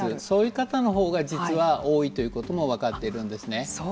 そういう方のほうが実は多いということも分かっているんですね。